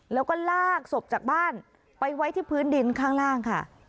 แล้วก็ลากศพจากบ้านไปไว้ที่พื้นดินข้างล่างค่ะ